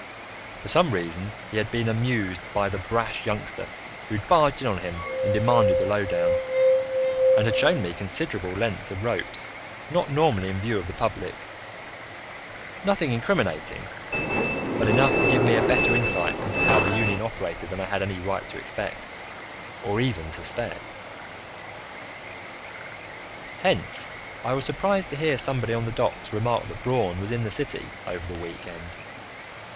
For some reason, he had been amused by the brash youngster who'd barged in on him and demanded the lowdown, and had shown me considerable lengths of ropes not normally in view of the public nothing incriminating, but enough to give me a better insight into how the union operated than I had had any right to expect or even suspect. Hence I was surprised to hear somebody on the docks remark that Braun was in the city over the week end.